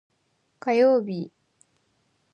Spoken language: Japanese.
火曜日